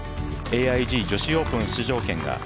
ＡＩＧ女子オープン出場権が。